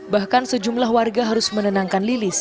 bahkan sejumlah warga harus menenangkan lilis